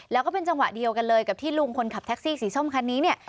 แล้วก็เป็นจังหวะเดียวกันเลยกับที่ลุงคนขับแท็กซี่สีส้มคันนี้เนี่ย